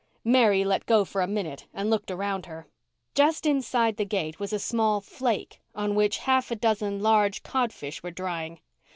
Mary let go for a minute and looked around her. Just inside the gate was a small "flake," on which a half a dozen large codfish were drying.